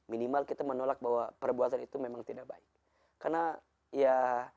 minimal kita menolak bahwa perbuatan itu memang tidak baik karena ya